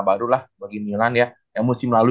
baru lah bagi milan ya yang musim lalu